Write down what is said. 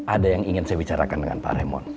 ada yang ingin saya bicarakan dengan pak remon